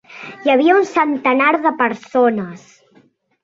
Hi havia un centenar de persones.